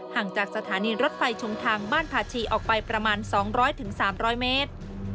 จากสถานีรถไฟชงทางบ้านพาชีออกไปประมาณ๒๐๐๓๐๐เมตร